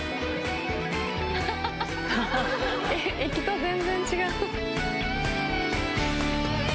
行きと全然違う。